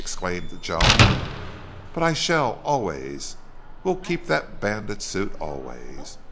exclaimed Joan. "But I shall always. We'll keep that bandit suit always.